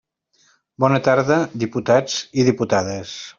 Bona tarda, diputats i diputades.